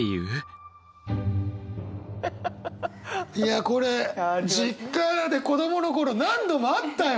いやこれ実家で子供の頃何度もあったよ。